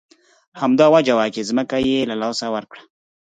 همدا وجه وه چې ځمکه یې له لاسه ورکړه.